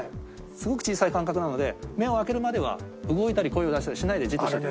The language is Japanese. すごく小さい感覚なので目を開けるまでは動いたり声を出したりしないでじっとしてて。